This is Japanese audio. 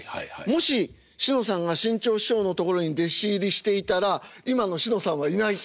もししのさんが志ん朝師匠のところに弟子入りしていたら今のしのさんはいないと思うんです。